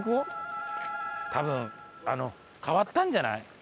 多分あの変わったんじゃない？